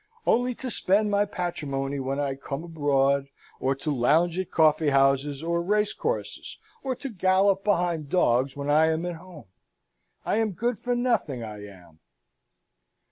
Only to spend my patrimony when I come abroad, or to lounge at coffee houses or racecourses, or to gallop behind dogs when I am at home. I am good for nothing, I am."